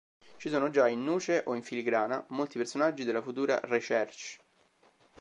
Ci sono già, in nuce o in filigrana, molti personaggi della futura "Recherche".